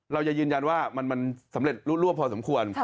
เราจะยืนยันว่ามันสำเร็จรูปรวบพอสมควร